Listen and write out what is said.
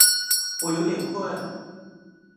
我有点困